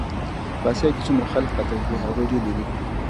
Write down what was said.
په اسیا کې څومره خلک قتل کړې هغوی ډېر وېرېږي.